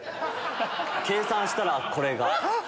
計算したらこれがあっ！